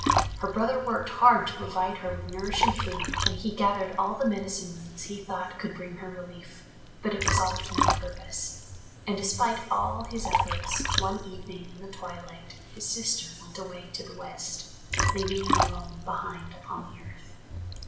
Her brother worked hard to provide her with nourishing food and he gathered all the medicine roots he thought could bring her relief, but it was all to no purpose. And despite all his efforts, one evening in the twilight his sister went away to the West, leaving him alone behind upon the earth.